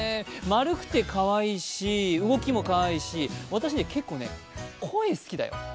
丸くてかわいいし、動きもかわいいし、私ね、結構ね、声好きだよ。